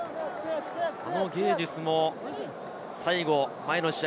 ゲージスも最後、前の試合